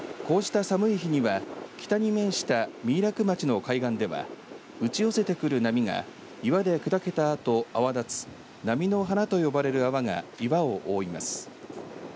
こうした寒い日には北に面した三井楽町の海岸では打ち寄せてくる波が岩で砕けたあと泡立つ波の花と呼ばれる泡が岩を覆います。